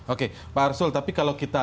oke pak arsul tapi kalau kita